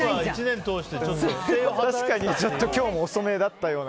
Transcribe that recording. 確かにちょっと今日も遅めだったような。